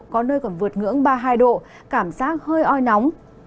có nơi còn vượt ngưỡng ba mươi hai độ cảm giác hơi oi nóng